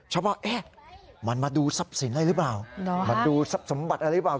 ชาวบ้านเอ๊ะมันมาดูทรัพย์สินอะไรหรือเปล่ามาดูทรัพย์สมบัติอะไรหรือเปล่า